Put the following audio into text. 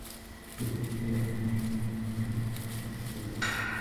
পোশাকশিল্প নাবালক থেকে সাবালক হলো, ঈদের আগে শ্রমিকের বেতন-বোনাসের সমস্যা মিটল না।